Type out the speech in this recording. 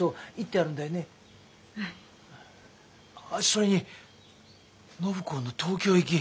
それに暢子の東京行き。